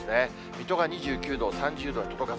水戸が２９度、３０度へ届かず。